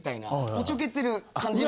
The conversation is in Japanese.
おちょけてる感じの。